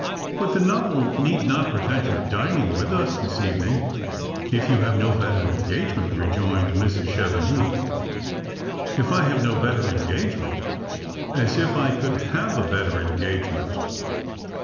" But the novel need not jirevent your dining with us this even* ing, if you have no better engagement," rejoined Mrs. Chevenix. " If I have no better engagement! As if I could have a better engagement."